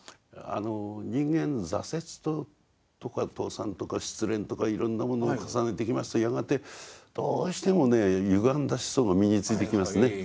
人間挫折とか倒産とか失恋とかいろんなものを重ねていきますとやがてどうしてもねゆがんだ思想が身についてきますね。